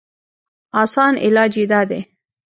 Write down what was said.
اسان علاج ئې دا دی